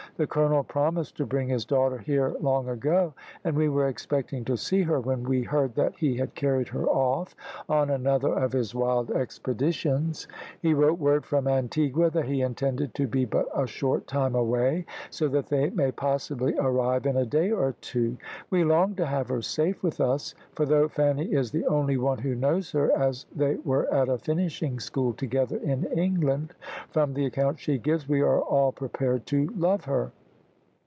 "The colonel promised to bring his daughter here long ago, and we were expecting to see her, when we heard that he had carried her off on another of his wild expeditions. He wrote word from Antigua that he intended to be but a short time away, so that they may possibly arrive in a day or two. We long to have her safe with us, for though Fanny is the only one who knows her, as they were at a finishing school together in England, from the account she gives we are all prepared to love her."